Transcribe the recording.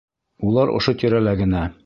Улар ошо тирәлә генә.